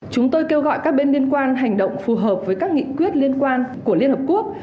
chúng tôi kêu gọi các bên liên quan hành động phù hợp với các nghị quyết liên quan của liên hợp quốc